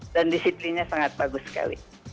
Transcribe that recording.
dan disiplinnya sangat bagus sekali